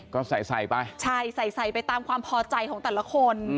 ก็ใส่ใส่ไปใช่ใส่ใส่ไปตามความพอใจของแต่ละคน